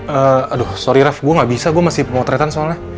aduh sorry ref gue gak bisa gue masih pemotretan soalnya